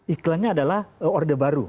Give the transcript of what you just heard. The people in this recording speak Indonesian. iklannya adalah orde baru